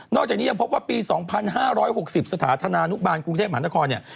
จากนี้ยังพบว่าปี๒๕๖๐สถานธนานุบาลกรุงเทพมหานครเนี่ย